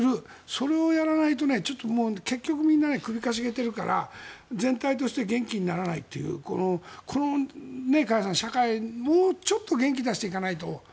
それをやらないと結局みんな首を傾げてるから全体として元気にならないっていう加谷さん、この社会もうちょっと元気出していかないと。